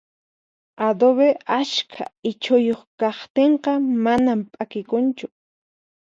Adobe ashka ichuyuq kaqtinqa manan p'akikunchu